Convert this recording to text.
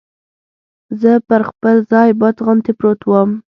زه پر خپل ځای بت غوندې پروت ووم.